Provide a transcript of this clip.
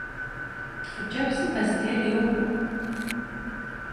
Хъыджэбзым бостейр йокӏу.